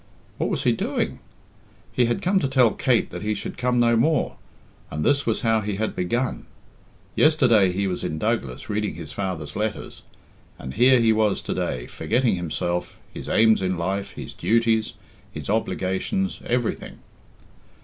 What was he doing? He had come to tell Kate that he should come no more, and this was how he had begun! Yesterday he was in Douglas reading his father's letters, and here he was to day, forgetting himself, his aims in life, his duties, his obligations everything.